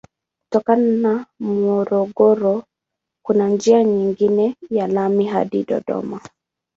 Kutoka Morogoro kuna njia nyingine ya lami hadi Dodoma.